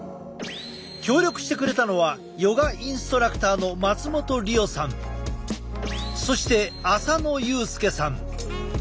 協力してくれたのはヨガインストラクターの松本莉緒さんそして浅野佑介さん。